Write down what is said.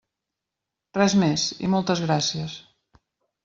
Res més, i moltes gràcies.